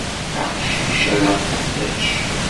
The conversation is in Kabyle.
Aqcic-a d aqeddac!